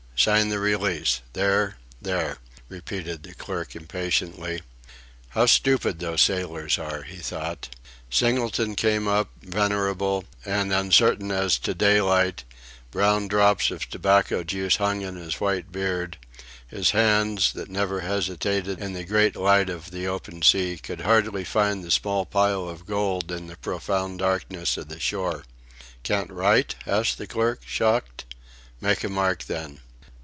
Sign the release. There there," repeated the clerk, impatiently. "How stupid those sailors are!" he thought. Singleton came up, venerable and uncertain as to daylight; brown drops of tobacco juice hung in his white beard; his hands, that never hesitated in the great light of the open sea, could hardly find the small pile of gold in the profound darkness of the shore. "Can't write?" said the clerk, shocked. "Make a mark, then."